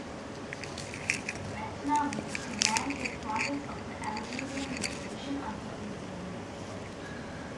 Batna was the command headquarters of the Algerian revolution until independence.